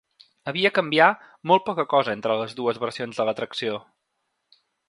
Havia canviar molt poca cosa entre les dues versions de l'atracció.